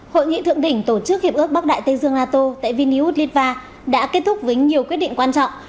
hội nghị thượng đỉnh tổ chức hiệp ước bắc đại tây dương nato tại viniud litva đã kết thúc với nhiều quyết định quan trọng